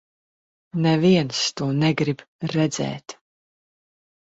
Neviens to negrib redzēt.